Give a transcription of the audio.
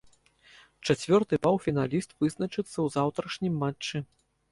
Чацвёрты паўфіналіст вызначыцца ў заўтрашнім матчы.